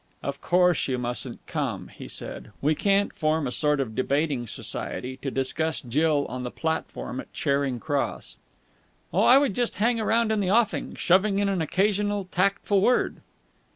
"Of course you mustn't come," he said. "We can't form a sort of debating society to discuss Jill on the platform at Charing Cross." "Oh, I would just hang around in the offing, shoving in an occasional tactful word."